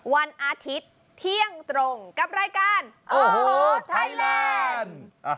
วันอาทิตย์เที่ยงตรงกับรายการโอ้โหไทยแลนด์